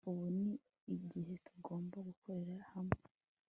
Ubu ni igihe tugomba gukorera hamwe